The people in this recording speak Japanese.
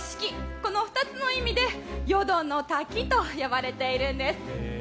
この２つの意味で四度の滝と呼ばれているんです。